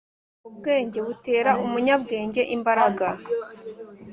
Ubwenge butera umunyabwenge imbaraga